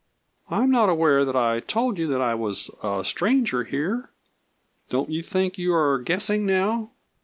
"I am not aware that I told you that I was a stranger here! Don't you think you are guessing now?"